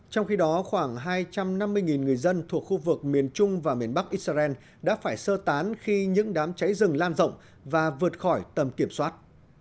trong khi đó khoảng hai trăm năm mươi người dân thuộc khu vực miền trung và miền bắc israel đã phải sơ tán khi những đám cháy rừng lan rộng và vượt khỏi tầm kiểm soát